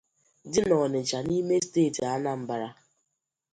dị n'Ọnịtsha n'ime steeti Anambra